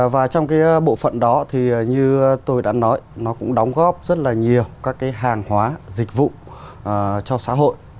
và trong bộ phận đó thì như tôi đã nói nó cũng đóng góp rất nhiều các hàng hóa dịch vụ cho xã hội